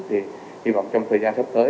thì hy vọng trong thời gian sắp tới